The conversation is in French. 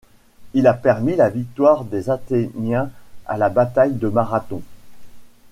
Il a permis la victoire des Athéniens à la bataille de Marathon.